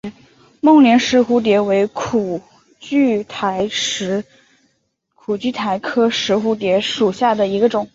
孟连石蝴蝶为苦苣苔科石蝴蝶属下的一个种。